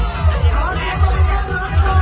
มันเป็นเมื่อไหร่แล้ว